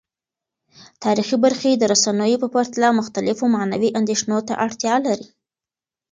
تاریخي برخې د رسنیو په پرتله مختلفو معنوي اندیښنو ته اړتیا لري.